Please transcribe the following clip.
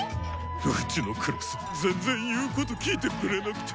うちのクラス全然言うこと聞いてくれなくて。